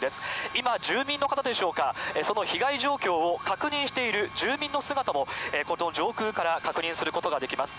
今、住民の方でしょうか、その被害状況を確認している住民の姿も、この上空から確認することができます。